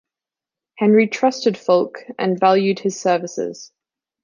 Henry trusted Fulk and valued his services.